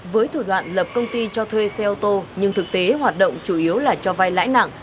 với thủ đoạn lập công ty cho thuê xe ô tô nhưng thực tế hoạt động chủ yếu là cho vai lãi nặng